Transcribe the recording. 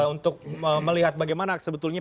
untuk melihat bagaimana sebetulnya